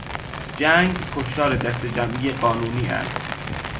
جنگ کشتار دسته جمعی قانونی است.